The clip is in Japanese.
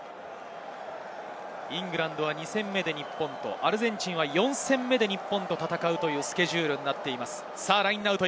イングランドは２戦目で日本と、アルゼンチンは４戦目で日本と戦うスケジュールです。